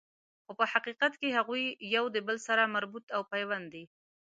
خو په حقیقت کی هغوی یو د بل سره مربوط او پیوند دي